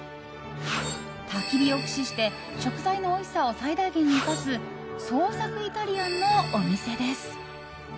たき火を駆使して食材のおいしさを最大限に生かす創作イタリアンのお店です。